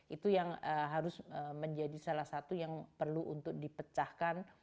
itu yang harus menjadi salah satu yang perlu untuk dipecahkan